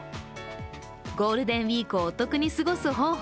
ゴールデンウイークをお得に過ごす方法